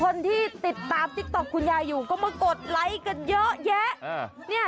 คนที่ติดตามติ๊กต๊อกคุณยายอยู่ก็มากดไลค์กันเยอะแยะ